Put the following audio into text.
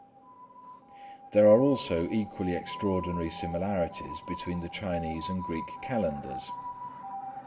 There are also equally extraordinary similarities between the Chinese and Greek calendars.